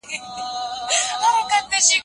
که موږ له تنبلۍ لاس واخلو.